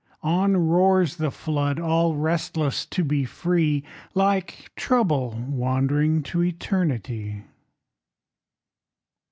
On roars the flood, all restless to be free, Like Trouble wandering to Eternity.